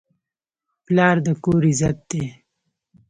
پلار د کور عزت دی.